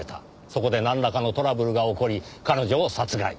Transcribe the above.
そこでなんらかのトラブルが起こり彼女を殺害。